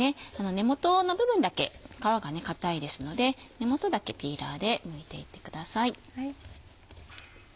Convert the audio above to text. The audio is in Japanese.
根元の部分だけ皮が固いですので根元だけピーラーでむいていってください。